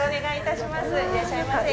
いらっしゃいませ。